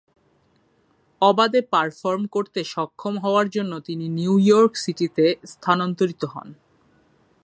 অবাধে পারফর্ম করতে সক্ষম হওয়ার জন্য তিনি নিউ ইয়র্ক সিটিতে স্থানান্তরিত হন।